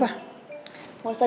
tau kena angin apa